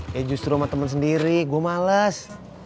ya justru sama teman sendiri gue males